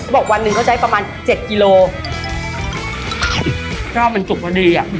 บอกวันนึงเขาใช้ประมาณเจ็ดกิโลชอบมันจุดประดีอ่ะ